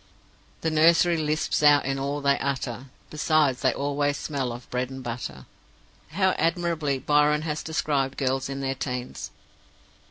"'The nursery lisps out in all they utter; Besides, they always smell of bread and butter.' "How admirably Byron has described girls in their teens!"